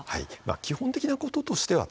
基本的なこととしています。